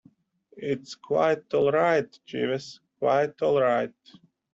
It is quite all right, Jeeves, quite all right.